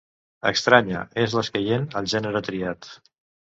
"extraña" és l'escaient al gènere triat.